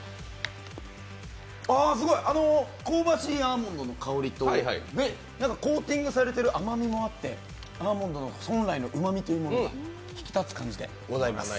すごい、香ばしいアーモンドの香りとコーティングされている甘みもあって、アーモンドの本来のうまみというものが引き立つ感じでございます。